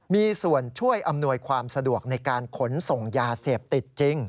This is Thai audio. มีส่วนช่วยอำนวยความสะดวกในการขนส่งยาเสพติดจริง